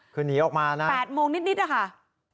คือหนีออกมานะ๘โมงนิดนะคะ